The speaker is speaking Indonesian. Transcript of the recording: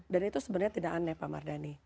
dan itu sebenarnya tidak aneh pak mardani